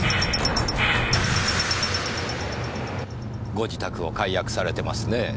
ご自宅を解約されてますねぇ。